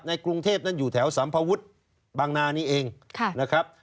กรุงเทพนั้นอยู่แถวสัมภวุฒิบางนานี่เองนะครับ